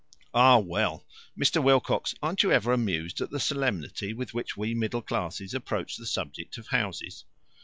"Ah, well. Mr. Wilcox, aren't you ever amused at the solemnity with which we middle classes approach the subject of houses?"